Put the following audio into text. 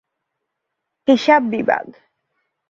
হিসাব বিভাগ।